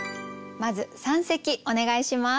まず三席お願いします。